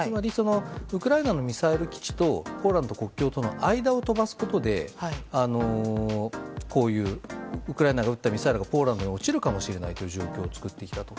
ウクライナのミサイル基地とポーランド国境との間を飛ばすことでウクライナが撃ったミサイルがポーランドに落ちるかもしれないという状況を作ってきたと。